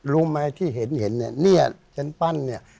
รู้ไหมที่เห็นเนี้ยเนี้ยฉันปั้นเนี้ย